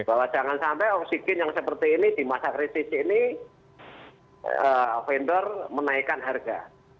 bahwa jangan sampai oksigen yang seperti ini di masa krisis ini vendor menaikkan harga